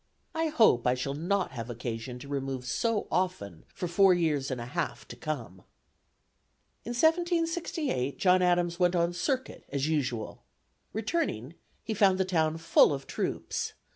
I hope I shall not have occasion to remove so often for four years and a half to come." In 1768, John Adams went on circuit as usual. Returning, he found the town full of troops.